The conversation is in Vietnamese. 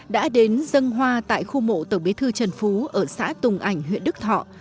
đã đến dân hoa tại khu mộ tổng bí thư trần phú ở xã tùng ảnh huyện đức thọ